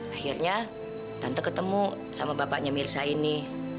akhirnya tante ketemu sama bapaknya mirsa ini